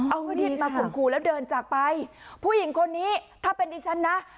เอามีดมาข่มขู่แล้วเดินจากไปผู้หญิงคนนี้ถ้าเป็นดิฉันนะ